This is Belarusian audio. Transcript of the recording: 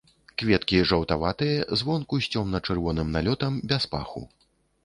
Кветкі жаўтаватыя, звонку з цёмна-чырвоным налётам, без паху.